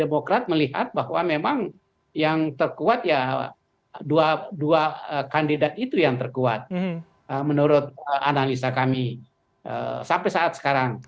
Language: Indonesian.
demokrat melihat bahwa memang yang terkuat ya dua kandidat itu yang terkuat menurut analisa kami sampai saat sekarang